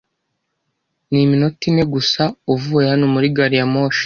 Ni iminota ine gusa uvuye hano muri gari ya moshi.